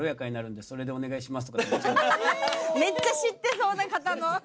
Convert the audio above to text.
めっちゃ知ってそうな方の。